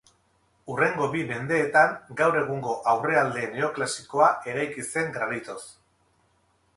Hurrengo bi mendeetan gaur egungo aurrealde neoklasikoa eraiki zen granitoz.